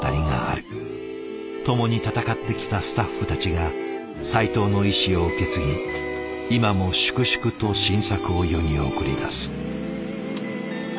共に戦ってきたスタッフたちがさいとうの遺志を受け継ぎ今も粛々と新作を世に送り出す。